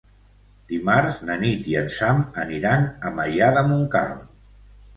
Dimarts na Nit i en Sam aniran a Maià de Montcal.